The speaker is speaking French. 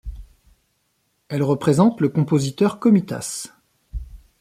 Elle représente le compositeur Komitas.